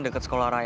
dekat sekolah rai